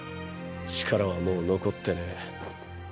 力はもう残ってねぇ。